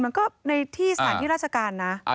มันก็ในที่สถานที่ราชการนะ